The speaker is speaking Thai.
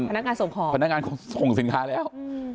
พนักงานส่งของพนักงานส่งสินค้าแล้ว